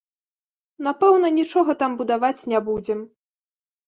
Напэўна, нічога там будаваць не будзем.